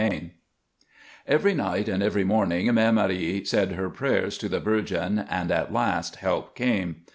VII Every night and every morning Mère Marie said her prayers to the Virgin, and at last help came.